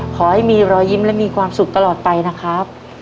ขอให้มีรอยยิ้มและมีความสุขตลอดไปนะครับ